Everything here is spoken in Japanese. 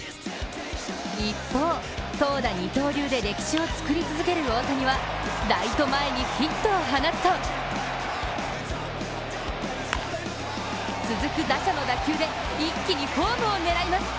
一方、投打二刀流で歴史を作り続ける大谷はライト前にヒットを放つと続く打者の打球で一気にホームを狙います。